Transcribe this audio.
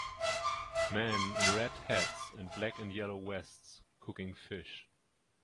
Men in red hats and black and yellow vests cooking fish